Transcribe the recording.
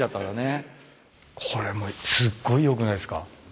これもすっごい良くないっすか。